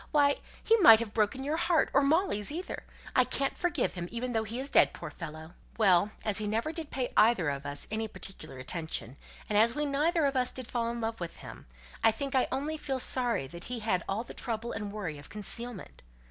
Why, he might have broken your heart, or Molly's either. I can't forgive him, even though he is dead, poor fellow!" "Well, as he never did pay either of us any particular attention, and as we neither of us did fall in love with him, I think I only feel sorry that he had all the trouble and worry of concealment."